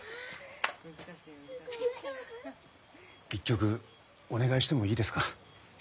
１曲お願いしてもいいですか？